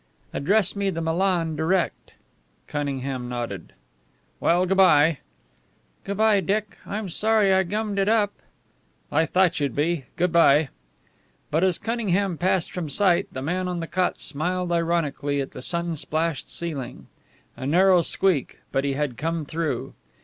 "Address me the Milan direct." Cunningham nodded. "Well, good bye." "Good bye, Dick. I'm sorry I gummed it up." "I thought you'd be. Good bye." But as Cunningham passed from sight, the man on the cot smiled ironically at the sun splashed ceiling. A narrow squeak, but he had come through.